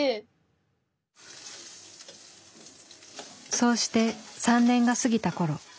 そうして３年が過ぎた頃。